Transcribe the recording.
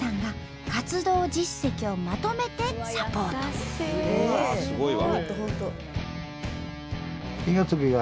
すごいわ。